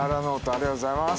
ありがとうございます